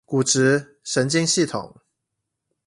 骨質、神經系統